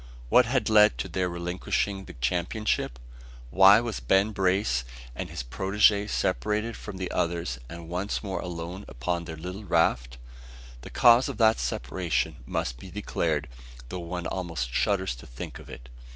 What had led to their relinquishing the companionship? Why was Ben Brace and his protege separated from the others and once more alone upon their little raft? The cause of that separation must be declared, though one almost shudders to think of it.